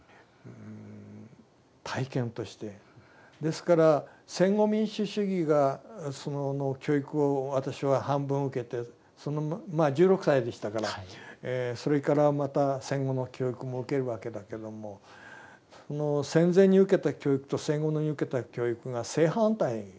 ですから戦後民主主義がその教育を私は半分受けて１６歳でしたからそれからまた戦後の教育も受けるわけだけども戦前に受けた教育と戦後に受けた教育が正反対２つの教育を受けた。